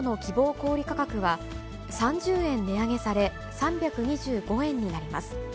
小売り価格は、３０円値上げされ、３２５円になります。